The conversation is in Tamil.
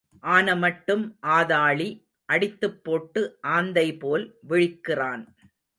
ஆனமட்டும் ஆதாளி அடித்துப் போட்டு ஆந்தை போல் விழிக்கிறான்.